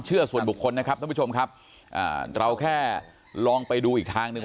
เชื่อส่วนบุคคลนะครับท่านผู้ชมครับอ่าเราแค่ลองไปดูอีกทางหนึ่ง